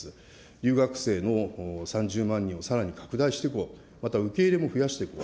留学生の３０万人をさらに拡大して以降、また受け入れも増やしていこう。